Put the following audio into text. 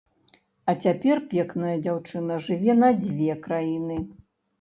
А цяпер пекная дзяўчына жыве на дзве краіны.